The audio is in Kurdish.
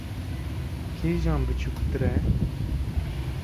Kîjan biçûktir e?